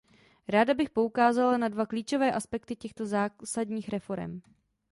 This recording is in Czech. Ráda bych poukázala na dva klíčové aspekty těchto zásadních reforem.